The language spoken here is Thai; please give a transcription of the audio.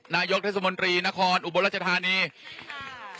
นายกทัศนมตรีนครอุบรัชธานีใช่ค่ะ